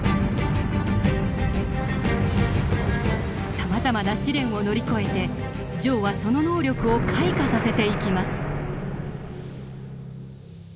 さまざまな試練を乗り越えて丈はその能力を開花させていきます。